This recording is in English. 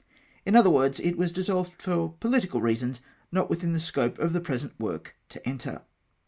In other words, it was dissolved for pohtical reasons not within the scope of the present work to enter.